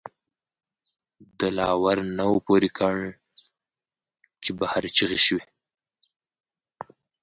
دَ لا ور نه وو پورې کړ، چې بهر چغې شوې